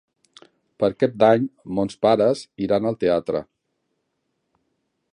Per Cap d'Any mons pares iran al teatre.